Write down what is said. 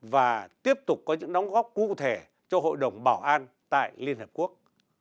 và tiếp tục có những đóng góp cụ thể cho hội đồng bảo an tại liên hợp quốc